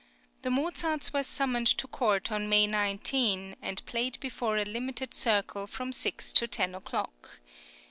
[20029] The Mozarts were summoned to court on May 19, and played before a limited circle from six to ten o'clock.